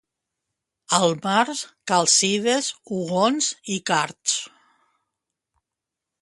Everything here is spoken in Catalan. Al març, calcides, ugons i cards.